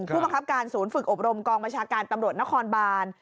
ผู้บังคับการศูนย์ฝึกอบรมกองบัญชาการตำรวจนครบาน